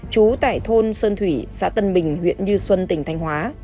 trú tại thôn sơn thủy xã tân bình huyện như xuân tỉnh thanh hóa